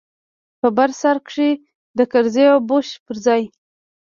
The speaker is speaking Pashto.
په بر سر کښې د کرزي او بوش پر ځاى.